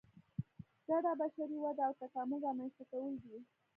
ګډه بشري وده او تکامل رامنځته کول دي.